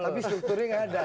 tapi strukturnya gak ada